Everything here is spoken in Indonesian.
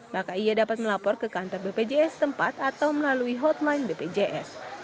maka ia dapat melapor ke kantor bpjs tempat atau melalui hotline bpjs